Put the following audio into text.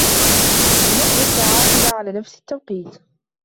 لنضبط ساعاتنا على نفس التوقيت.